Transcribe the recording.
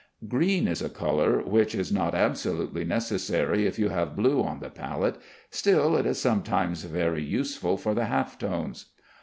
Green is a color which is not absolutely necessary if you have blue on the palette, still it is sometimes very useful for the half tones.